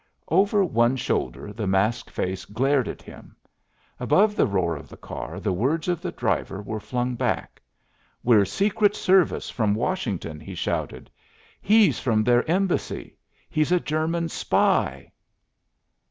Over one shoulder the masked face glared at him. Above the roar of the car the words of the driver were flung back. "We're Secret Service from Washington," he shouted. "He's from their embassy. He's a German spy!"